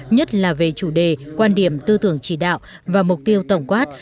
nhất là về chủ đề quan điểm tư tưởng chỉ đạo và mục tiêu tổng quát